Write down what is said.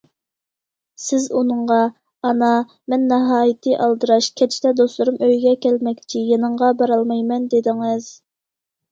سىز ئۇنىڭغا‹‹ ئانا، مەن ناھايىتى ئالدىراش، كەچتە دوستلىرىم ئۆيگە كەلمەكچى، يېنىڭغا بارالمايمەن›› دېدىڭىز.